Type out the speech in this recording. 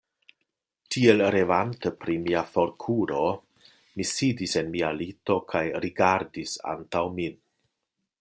Tiel revante pri mia forkuro, mi sidis en mia lito kaj rigardis antaŭ min.